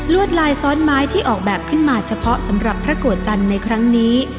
วดลายซ้อนไม้ที่ออกแบบขึ้นมาเฉพาะสำหรับพระโกรธจันทร์ในครั้งนี้